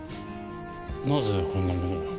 なぜこんなものが？